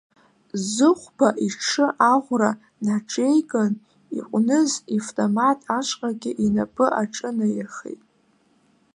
Зыхәба иҽы аӷәра наҿеикын, иҟәныз иавтомат ашҟагьы инапы аҿынаирхеит.